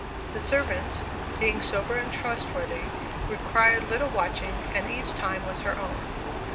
The servants, being sober and trustworthy, required little watching, and Eve's time was her own.